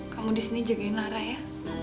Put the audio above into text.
kamu disini jagain lara ya